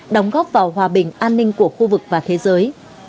đóng góp vào hòa bình an ninh của khu vực và thế giới